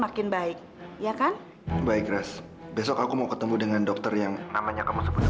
mungkin edo tidak mengendakinya